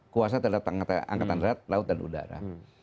kuasa terhadap angkatan darat laut dan udara